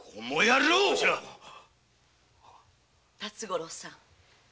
辰五郎さん。